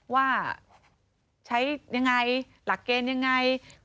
ว่าใช้อย่างไรหลักเกณฑ์อย่างไร